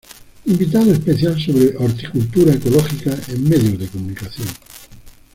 Invitado especial sobre Horticultura ecológica en medios de comunicación.